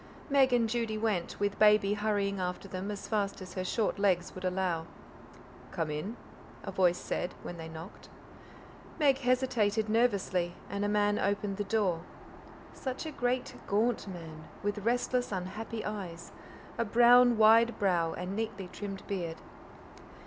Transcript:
Meg and Judy went, with Baby hurrying after them as fast as her short legs would allow. "Come in," a voice said, when they knocked. Meg hesitated nervously, and a man opened the door. Such a great, gaunt man, with restless, unhappy eyes, a brown, wide brow, and neatly trimmed beard.